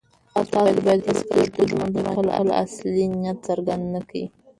تاسو بايد هيڅکله د دښمن په وړاندې خپل اصلي نيت څرګند نه کړئ.